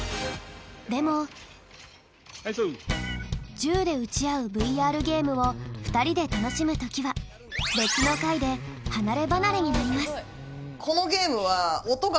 銃で撃ち合うＶＲゲームを２人で楽しむときは別の階で離れ離れになります。